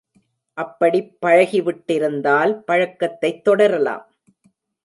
அப்படிப் பழகிவிட்டிருந்தால், பழக்கத்தைத் தொடரலாம்.